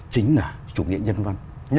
chính là chủ nghĩa nhân văn